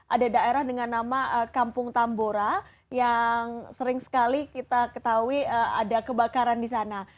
ada daerah dengan nama kampung tambora yang sering sekali kita ketahui ada kebakaran di sana